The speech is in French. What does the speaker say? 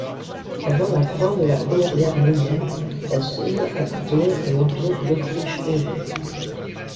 Avant la fin de la Première Guerre mondiale, la zone appartenait à l'Empire d'Autriche-Hongrie.